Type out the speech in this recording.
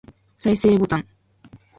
再生ボタン